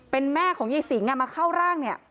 เป็นแม่ของเย้สิงอ่ะมาเข้าร่างเนี้ย